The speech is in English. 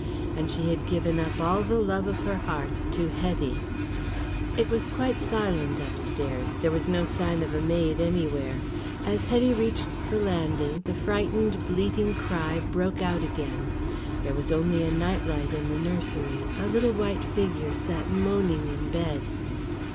And she had given up all the love of her heart to Hetty. It was quite silent upstairs; there was no sign of a maid anywhere. As Hetty reached the landing the frightened bleating cry broke out again. There was only a night light in the nursery; a little white figure sat moaning in bed.